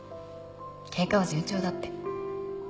経過は順調だって。